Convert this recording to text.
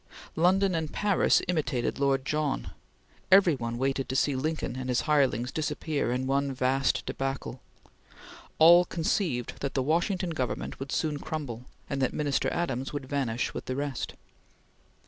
London and Paris imitated Lord John. Every one waited to see Lincoln and his hirelings disappear in one vast debacle. All conceived that the Washington Government would soon crumble, and that Minister Adams would vanish with the rest.